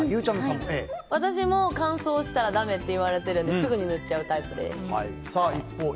私も乾燥したらだめって言われてるのですぐに塗っちゃうタイプです。